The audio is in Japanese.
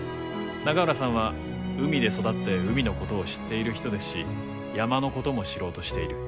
永浦さんは海で育って海のことを知っている人ですし山のことも知ろうとしている。